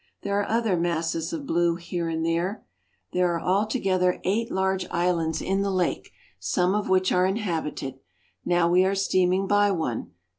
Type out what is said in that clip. There are other masses of blue here and there. There are altogether 82 PERU. eight large islands in the lake, some of which are inhabited. Now we are steaming by one.